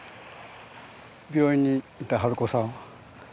病院にいた春子さん。